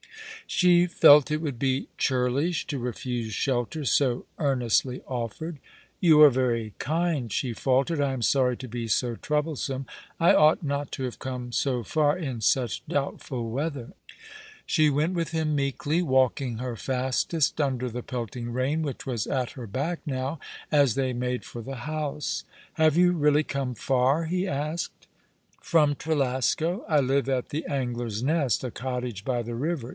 She felt it would be churlish to refuse shelter so earnestly offered. " You are very kind," she faltered. " I am sorry to be so troublesome. I ought not to have come so far in such doubtful weather." She went with him meekly, walking her fastest under the pelting rain, which was at her back now as they made for the house. Have you really come far ?" he asked. " From Trelasco. I live at the Angler's Nest, a cottage by the river.